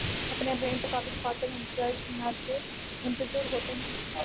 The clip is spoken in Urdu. اپنے اپنے انتخابی دفاتر میں نتائج کے منتظر ہوتے ہیں